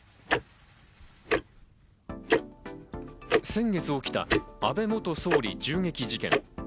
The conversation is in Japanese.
先月起きた安倍元総理銃撃事件。